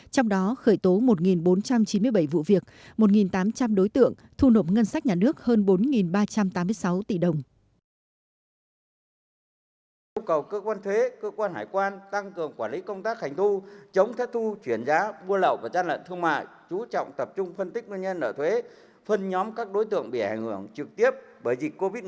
trong đó khởi tố một bốn trăm chín mươi bảy vụ việc một tám trăm linh đối tượng thu nộp ngân sách nhà nước hơn bốn ba trăm tám mươi sáu tỷ đồng